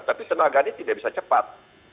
tapi tenaga ini tidak bisa cepat